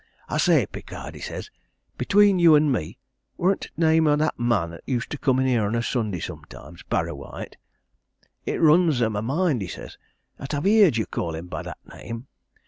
'I say, Pickard,' he says, 'between you an' me, worrn't t' name o' that man 'at used to come in here on a Sunday sometimes, Parrawhite? It runs a' my mind,' he says, ''at I've heerd you call him by that name.'